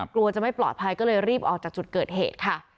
กลัวจะไม่ปลอดภัยก็เลยรีบออกจากจุดเกิดเหตุค่ะ